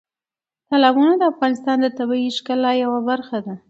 تالابونه د افغانستان د طبیعي ښکلا یوه برخه ده.